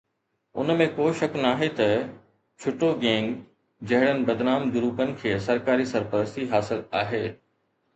ان ۾ ڪو شڪ ناهي ته ڇٽو گينگ جهڙن بدنام گروپن کي سرڪاري سرپرستي حاصل آهي